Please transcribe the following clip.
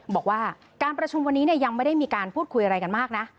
บอกว่าการประชุมวันนี้ยังไม่ได้มีการพูดคุยอะไรกันมากนะ